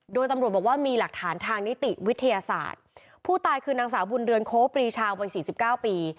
โดยตำรวจบอกว่ามีหลักฐานทางนิติวิทยาศาสตร์ผู้ตายคือนางสาวบุญเรือนโคปรีชาวัยสี่สิบเก้าปี